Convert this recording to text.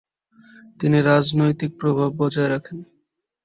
তিনি রাজনৈতিক প্রভাব বজায় রাখেন।